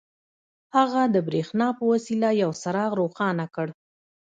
هغه د برېښنا په وسيله يو څراغ روښانه کړ.